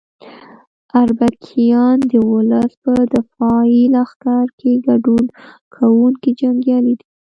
اربکیان د ولس په دفاعي لښکر کې ګډون کوونکي جنګیالي دي.